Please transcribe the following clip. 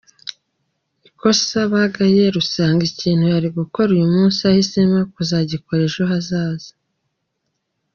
Ikosa ba Gaëlle usanga ikintu yari gukora uyu munsi ahisemo kuzagikora ejo hazaza.